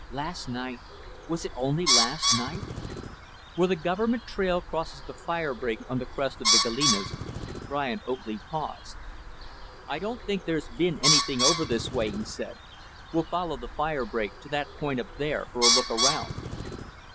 Last night! Was it only last night? Where the Government trail crosses the fire break on the crest of the Galenas, Brian Oakley paused. "I don't think there's been anything over this way," he said. "We'll follow the fire break to that point up there, for a look around."